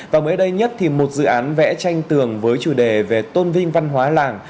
và mới đây nhất thì một dự án vẽ tranh tường với chủ đề về tôn vinh văn hóa làng